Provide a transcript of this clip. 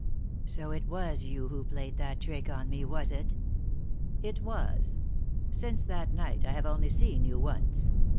"So it was you who played that trick on me, was it ?"" It was. Since that night I have only seen yoa once.